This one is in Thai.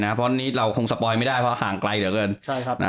เพราะวันนี้เราคงสปอยไม่ได้เพราะห่างไกลเหลือเกินใช่ครับ